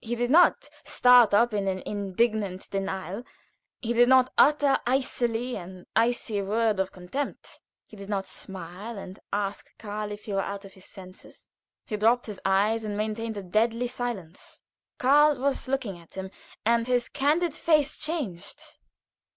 He did not start up in an indignant denial; he did not utter icily an icy word of contempt; he did not smile and ask Karl if he were out of his senses. He dropped his eyes, and maintained a deadly silence. Karl was looking at him, and his candid face changed.